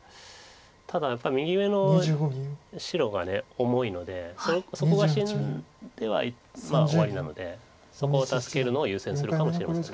ただやっぱり右上の白が重いのでそこが死んでは終わりなのでそこを助けるのを優先するかもしれません。